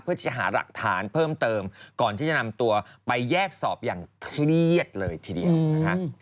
เพื่อจะหาหลักฐานเพิ่มเติมก่อนที่จะนำตัวไปแยกสอบอย่างเครียดเลยทีเดียวนะคะ